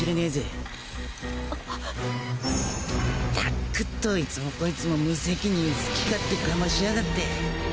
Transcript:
ったくどいつもこいつも無責任好き勝手かましやがって。